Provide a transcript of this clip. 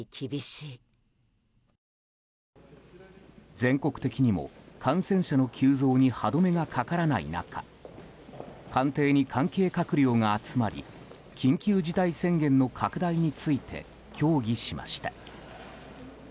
全国的にも感染者の急増に歯止めがかからない中官邸に関係閣僚が集まり緊急事態宣言の拡大について協議しました。